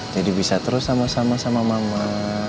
jadi bisa terus sama sama sama mama